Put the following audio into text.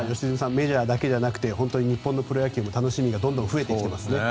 メジャーだけじゃなくて日本のプロ野球もどんどん楽しみが増えてきていますね。